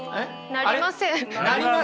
なりません。